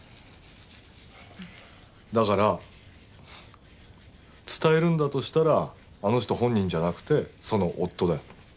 だから伝えるんだとしたらあの人本人じゃなくてその夫だよ。